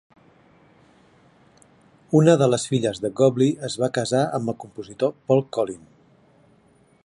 Una de les filles de Gobley es va casar amb el compositor Paul Collin.